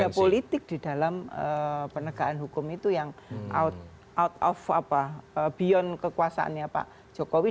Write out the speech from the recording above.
ya politik di dalam penegakan hukum itu yang out of beyond kekuasaannya pak jokowi